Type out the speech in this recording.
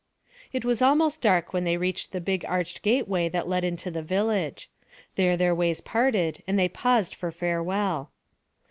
It was almost dark when they reached the big arched gateway that led into the village. Here their ways parted and they paused for farewell.